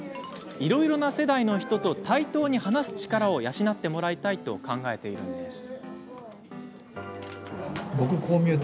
いろいろな世代の人と対等に話す力を養ってもらいたいと考えているんです。